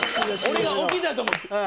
俺が起きたと思って。